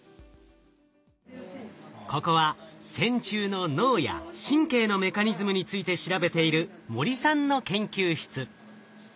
ここは線虫の脳や神経のメカニズムについて調べている森さんの研究室。